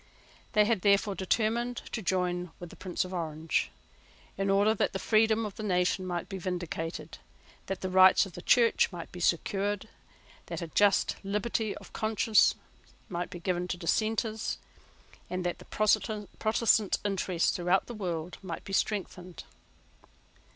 They had therefore determined to join with the Prince of Orange, in order that the freedom of the nation might be vindicated, that the rights of the Church might be secured, that a just liberty of conscience might be given to Dissenters, and that the Protestant interest throughout the world might be strengthened.